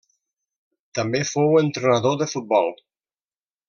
També fou entrenador de futbol.